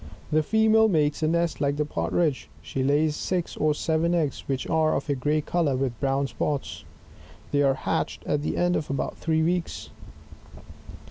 The female makea a nest like the partridge; she lays six or seven eggs which are of a gray colour with brown spots. They are hatched at the end of about three weeks.